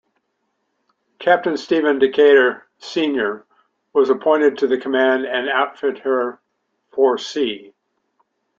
Captain Stephen Decatur, Senior was appointed to command and outfit her for sea.